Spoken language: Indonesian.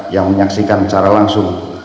yang menyaksikan secara langsung